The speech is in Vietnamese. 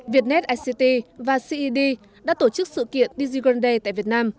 vietnet ict và ced đã tổ chức sự kiện digiground day tại việt nam